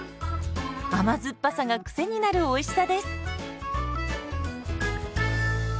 甘酸っぱさがクセになるおいしさです。